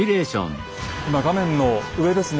今画面の上ですね